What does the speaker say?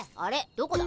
どこだ？